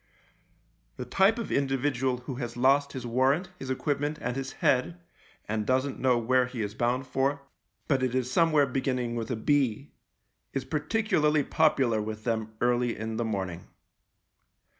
The type of individual who has lost his warrant, his equipment, and his head, and doesn't know where he is bound for, but it is somewhere beginning with a B, is parti cularly popular with them early in the morning.